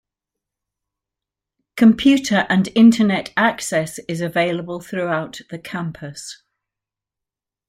Computer and internet access is available throughout the campus.